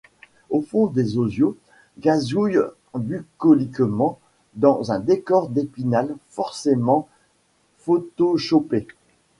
Au fond des zoziaux gazouillent bucoliquement dans un décor d'Épinal forcément photoshoppé.